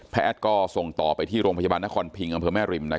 แพทย์ก็ส่งต่อไปที่โรงพยาบาลนครพิงอำเภอแม่ริม